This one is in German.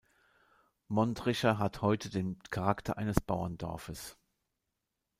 Montricher hat heute den Charakter eines Bauerndorfes.